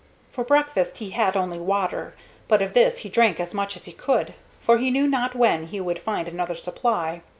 For breakfast he had only water, but of this he drank as much as he could, for he knew not when he would find another supply.